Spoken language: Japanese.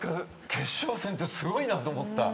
決勝戦ってすごいなと思った。